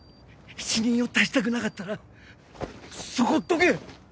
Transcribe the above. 死人を出したくなかったらそこをどけ！